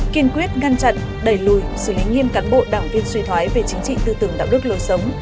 kiên quyết ngăn chặn đẩy lùi xử lý nghiêm cán bộ đảng viên suy thoái về chính trị tư tưởng đạo đức lâu sống